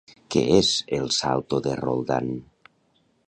Què és el Salto de Roldán?